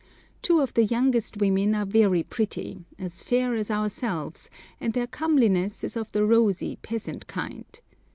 Two of the youngest women are very pretty—as fair as ourselves, and their comeliness is of the rosy, peasant kind.